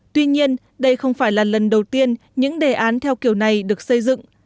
tuy nhiên đây không phải là lần đầu tiên những đề án theo kiểu này được xây dựng